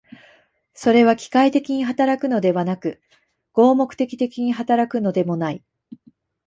それは機械的に働くのではなく、合目的的に働くのでもない。